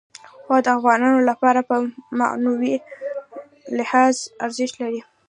هوا د افغانانو لپاره په معنوي لحاظ ارزښت لري.